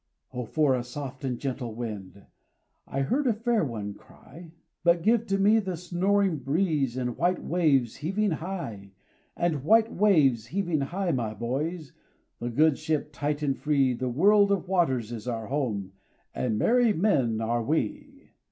O for a soft and gentle wind! I heard a fair one cry; But give to me the snoring breeze And white waves heaving hi^,h ; And white waves heaving high, my boys, The good ship tight and free The world of waters is our home, And merry men are we.